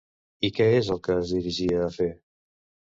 I què és el que es dirigia a fer?